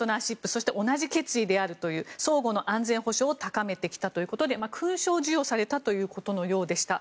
そして同じ決意であるという相互の安全保障を高めてきたということで勲章を授与されたということのようでした。